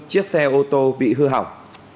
chiếc xe ô tô bị hư hỏng